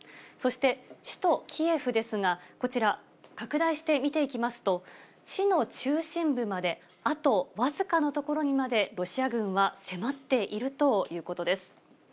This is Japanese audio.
そして首都キエフですが、こちら、拡大して見ていきますと、市の中心部まであと僅かの所にまで、ロシア軍は迫っているということです。